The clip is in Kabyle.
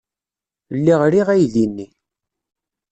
Lliɣ riɣ aydi-nni.